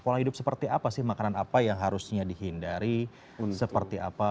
pola hidup seperti apa sih makanan apa yang harusnya dihindari seperti apa